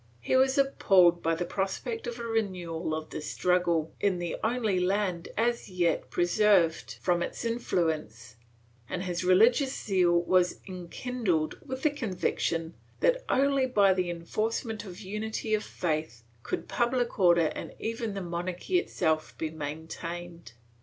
He was ap palled by the prospect of a renewal of the struggle, in the only land as yet preserved from its influence, and his religious zeal was enkindled with the conviction that only by the enforcement of unity of faith could pubhc order and even the monarchy itself be maintained.